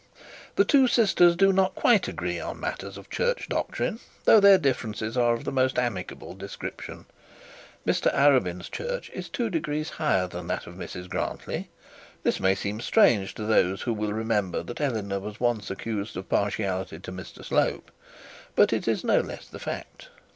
The two sisters do not quite agree on matters of church doctrine, though their differences are of the most amicable description. Mr Arabin's church is two degrees higher than that of Mrs Grantly. This may seem strange to those who will remember that Eleanor was once accused of partiality to Mr Slope; but it is no less the fact.